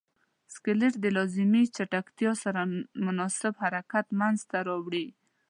سکلیټ د لازمې چټکتیا سره مناسب حرکت منځ ته راوړي.